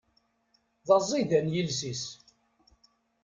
D aẓidan yiles-is.